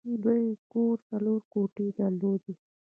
د دوی کور څلور کوټې درلودې